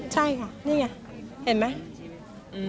ใช่ค่ะนี่ไงเห็นไหม